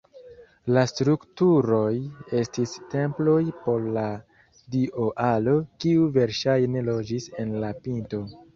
La strukturoj estis temploj por la dio Alo, kiu verŝajne loĝis en la pinto.